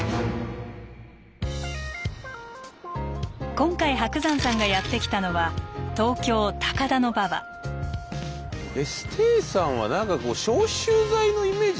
今回伯山さんがやって来たのはエステーさんは何かこう消臭剤のイメージ強いですよね。